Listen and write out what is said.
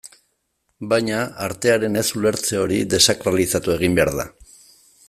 Baina, artearen ez-ulertze hori desakralizatu egin behar da.